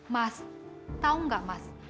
mas tau gak mas